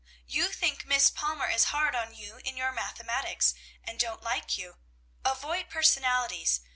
You think Miss Palmer is hard on you in your mathematics, and don't like you. Avoid personalities.